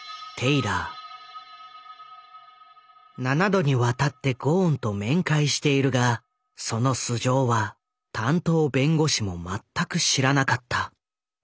７度にわたってゴーンと面会しているがその素性は担当弁護士も全く知らなかった。